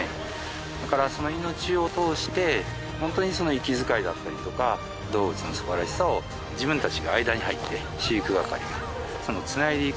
だからその命を通してホントにその息遣いだったりとか動物の素晴らしさを自分たちが間に入って飼育係がつないでいこうと。